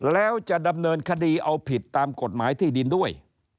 แล้วจะดำเนินคดีเอาผิดตามกฎหมายที่ดินด้วย